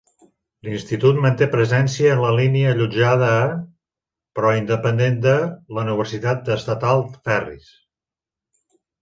L'institut manté presència en línia allotjada a, però independent de, la Universitat Estatal Ferris.